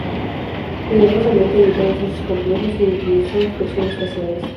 Cuidadosamente evitó los usos complejos y utilizó expresiones fáciles.